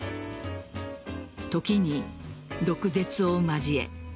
時に、毒舌を交え。